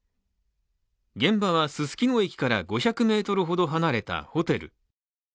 現場はすすきの駅から５００ｍほど離れたホテル。